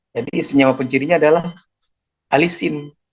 jadi senyawa pencirinya adalah allicin